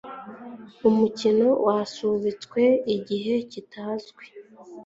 Umukino wasubitswe igihe kitazwi.